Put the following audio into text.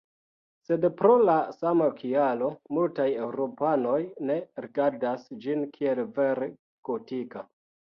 Sed pro la sama kialo, multaj eŭropanoj ne rigardas ĝin kiel vere gotika.